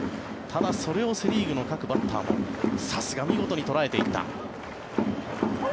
ただ、それをセ・リーグの各バッターもさすが見事に捉えていった。